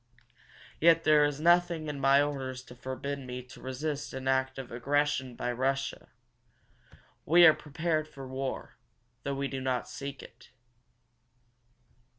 Yet there is nothing in my orders to forbid me to resist an act of aggression by Russia. We are prepared for war, though we do not seek it."